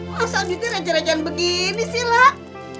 masa nidyan raja rajaan begini sih lah